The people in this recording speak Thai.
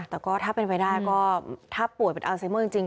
แต่ก็ถ้าเป็นไปได้ก็ถ้าป่วยเป็นอัลไซเมอร์จริง